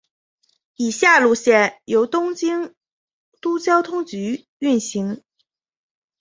以下路线由东京都交通局运行。